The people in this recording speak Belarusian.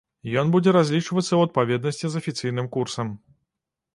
Ён будзе разлічвацца ў адпаведнасці з афіцыйным курсам.